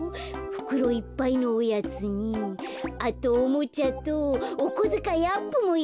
ふくろいっぱいのおやつにあとおもちゃとおこづかいアップもいいねえ。